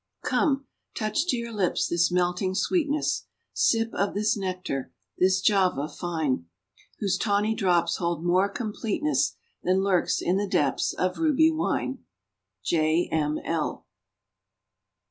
"_ Come, touch to your lips this melting sweetness, Sip of this nectar, this Java fine, Whose tawny drops hold more completeness Than lurks in the depths of ruby wine. _J. M. L.